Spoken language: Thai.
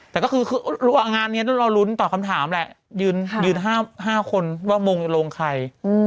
แต่ก็คืองานนี้เรารุ้นตอบคำถามแหละยืน๕คนว่ามงลงใคร